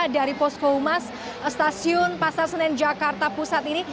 di kuskomas stasiun pasar senen jakarta pusat ini